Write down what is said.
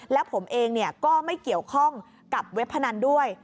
และผมเองก็ไม่เกี่ยวข้องกับเว็บพนันด้วย